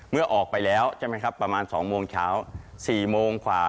เมื่อออกไปแล้วใช่ไหมครับประมาณ๒โมงเช้า๔โมงกว่า